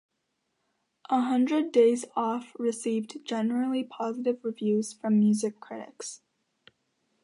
"A Hundred Days Off" received generally positive reviews from music critics.